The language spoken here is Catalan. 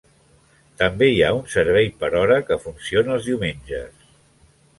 També hi ha un servei per hora que funciona els diumenges.